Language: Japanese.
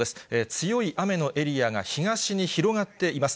強い雨のエリアが東に広がっています。